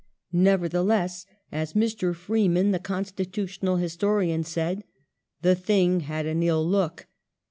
Nevertheless, as Mr. Freeman, the Constitutional historian said, " the thing had an ill look.